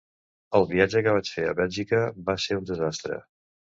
El viatge que vaig fer a Bèlgica va ser un desastre.